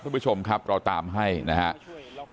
คุณผู้ชมครับเราตามให้นะครับ